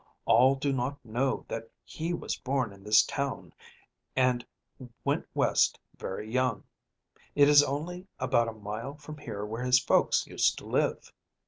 All do not know that he was born in this town, and went West very young; it is only about a mile from here where his folks used to live."